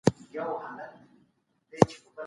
د ډلو او ګوندونو ترمنځ اړيکي په سياست پوري تړلي دي.